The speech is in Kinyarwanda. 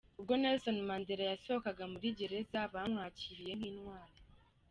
Ubwo Nelson Mandela yasohokaga muri gereza bamwakiriye nk’intwari.